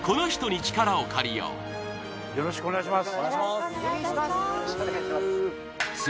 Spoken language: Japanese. よろしくお願いします